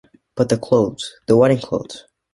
But the clothes, the wedding clothes!